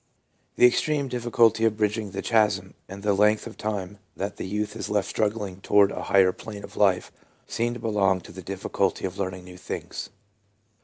The extreme difficulty of bridging the chasm, and the length of time that the youth is left struggling to ward a higher plane of life, seem to belong to the diffi 262 THE PSYCHOLOGY OF RELIGION culty of learning new things.